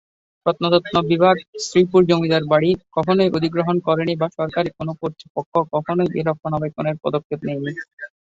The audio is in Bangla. প্রত্নতত্ত্ব বিভাগ 'শ্রীপুর জমিদার বাড়ি' কখনই অধিগ্রহণ করেনি বা সরকারি কোন কর্তৃপক্ষ কখনই এর রক্ষণাবেক্ষণের পদক্ষেপ নেয়নি।